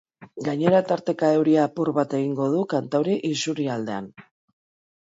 Gainera tarteka euri apur bat egingo du kantauri isurialdean.